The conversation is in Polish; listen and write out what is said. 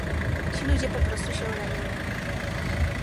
Ci ludzie po prostu się lenią